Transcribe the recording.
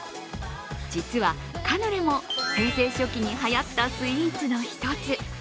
実は、カヌレも平成初期にはやったスイーツの１つ。